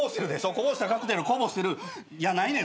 こぼしたカクテルこぼしてるやないねん。